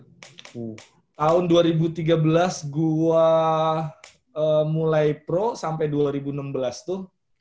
tahun dua ribu tiga belas gue mulai pro sampai dua ribu enam belas tuh